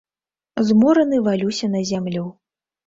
Змораны валюся на зямлю.